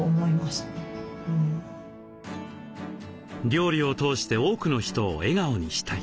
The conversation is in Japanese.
料理を通して多くの人を笑顔にしたい。